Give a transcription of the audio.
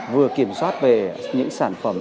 vừa kiểm soát về những sản phẩm